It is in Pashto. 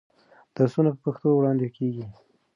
درسونه په پښتو وړاندې کېږي.